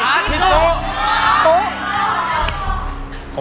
อากิโก